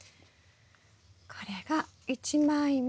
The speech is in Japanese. これが１枚目。